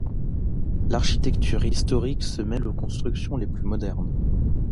L'architecture historique se mêle aux constructions les plus modernes.